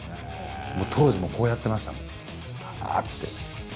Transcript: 当時もこうやってました、あーって。